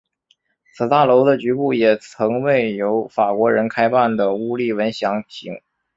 此大楼的局部也曾为由法国人开办的乌利文洋行。